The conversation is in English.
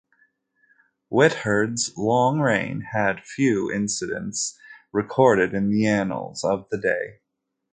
Wihtred's long reign had few incidents recorded in the annals of the day.